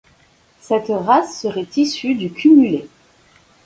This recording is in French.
Cette race serait issue du cumulet.